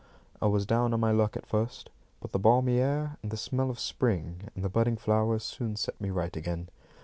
I was down on my luck at first; but the balmy air and the smell of spring and the budding flowers soon set me right again.